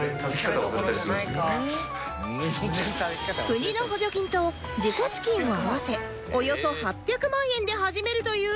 国の補助金と自己資金を合わせおよそ８００万円で始めるという新事業